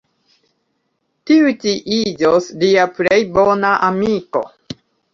Tiu ĉi iĝos lia plej bona amiko.